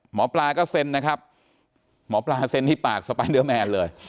หมอปลาก็เซ็นนะครับหมอปลาเซ็นที่ปากสไปเดอร์แมนเลย